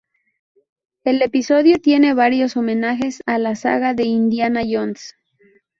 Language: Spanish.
El episodio tiene varios homenajes a la saga de Indiana Jones.